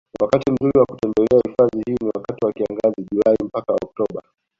Wakati mzuri wa kutembelea hifadhi hii ni wakati wa kiangazi Julai mpaka Octoba